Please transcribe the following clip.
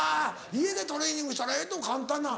家でトレーニングしたらええと簡単な。